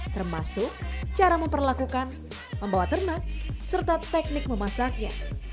termasuk cara memperlakukan membawa ternak serta teknik memasaknya